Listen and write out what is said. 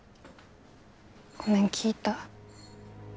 ごめん聞いた。